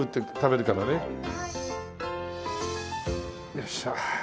よっしゃ。